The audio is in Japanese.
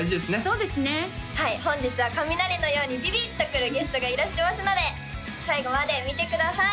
そうですねはい本日は雷のようにビビッとくるゲストがいらしてますので最後まで見てください